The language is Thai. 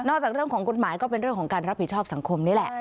จากเรื่องของกฎหมายก็เป็นเรื่องของการรับผิดชอบสังคมนี่แหละ